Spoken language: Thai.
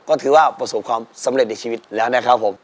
ก็ถือว่าประสบความสำเร็จในชีวิตแล้วนะครับผม